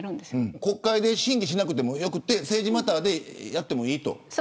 国会で審議しなくてもよくて政治マターでやってもいいと。